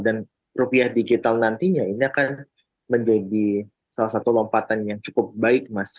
dan rupiah digital nantinya ini akan menjadi salah satu lompatan yang cukup baik mas